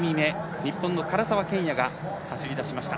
日本の唐澤剣也が走り出しました。